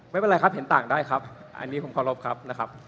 ไม่เป็นไรครับเห็นต่างได้ครับอันนี้ผมเคารพครับนะครับ